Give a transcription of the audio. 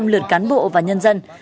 chín năm trăm linh lượt cán bộ và nhân dân